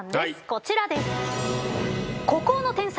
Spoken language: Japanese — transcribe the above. こちらです。